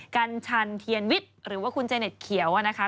กัญชันเทียนวิทย์หรือว่าคุณเจเน็ตเขียวนะคะ